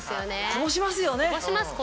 こぼしますよね。